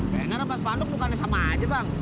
bener empat panduk bukannya sama aja bang